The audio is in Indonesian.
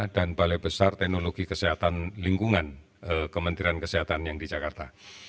dan balai besar teknologi kesehatan lingkungan kementerian kesehatan yang di jakarta